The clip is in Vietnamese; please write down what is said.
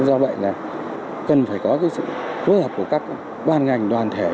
do vậy là cần phải có sự phối hợp của các bàn ngành đoàn thể